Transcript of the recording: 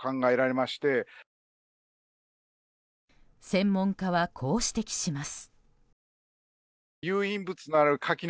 専門家は、こう指摘します。